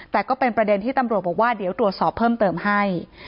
แต่ก็เป็นประเด็นที่ตำรวจบอกว่าเดี๋ยวตรวจสอบเพิ่มเติมให้